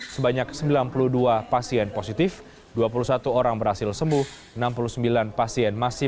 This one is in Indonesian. sebanyak sembilan puluh dua pasien positif dua puluh satu orang berhasil sembuh enam puluh sembilan pasien